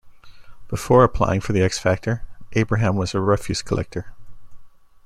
Before applying for "The X Factor", Abraham was a refuse collector.